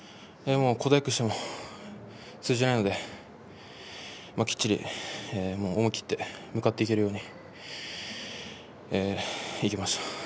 小細工しても通じないのできっちり思い切って向かっていけるようにいきました。